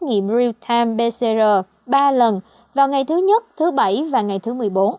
nghị real time pcr ba lần vào ngày thứ nhất thứ bảy và ngày thứ một mươi bốn